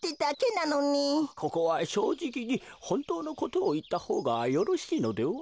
ここはしょうじきにほんとうのことをいったほうがよろしいのでは？